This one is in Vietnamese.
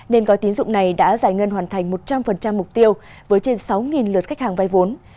nên gói tín dụng này đã giải ngân hoàn thành một trăm linh mục tiêu với trên sáu lượt khách hàng vai vốn